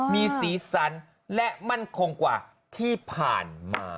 มีสีสันและมั่นคงกว่าที่ผ่านมา